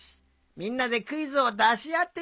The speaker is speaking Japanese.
みんなでクイズをだしあってみよう。